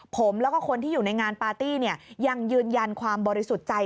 ผมแล้วก็คนที่อยู่ในงานปาร์ตี้ยังยืนยันความบริสุทธิ์ใจ